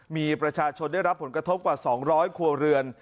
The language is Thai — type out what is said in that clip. มีประชาชนได้รับผลกระทบกว่า๒๐๐ครัวเรือน